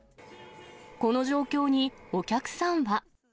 この状況に、お客さんは。